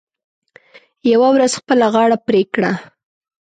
یوه ورځ خپله غاړه پرې کړه .